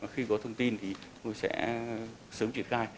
khi có thông tin thì sẽ sớm triển khai